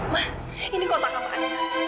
ma ini kotak apaan